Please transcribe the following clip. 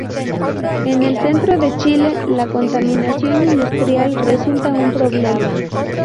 En el centro de Chile, la contaminación industrial resulta un problema.